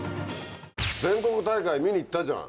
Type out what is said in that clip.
全国大会、見に行ったじゃん。